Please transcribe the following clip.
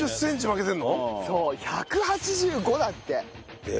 １８５だって！